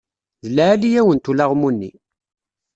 D lɛali-yawen-t ulaɣmu-nni.